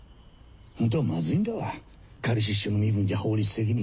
ホントはまずいんだわ仮出所の身分じゃ法律的に。